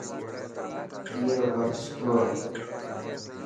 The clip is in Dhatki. اي رو ڀرت سٺو هي.